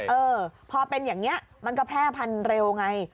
เออพอเป็นอย่างนี้มันก็แพร่พันเร็วไง